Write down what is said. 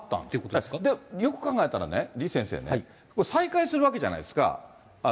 で、よく考えたらね、李先生ね、再開するわけじゃないですか。